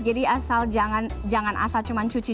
jadi asal jangan asal cuma cuci cuci